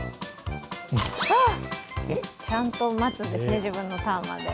ちゃんと待つんですね、自分のターンまで。